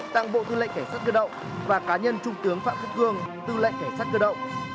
tặng bộ thư lệnh cảnh sát cơ động và cá nhân trung tướng phạm khất cương thư lệnh cảnh sát cơ động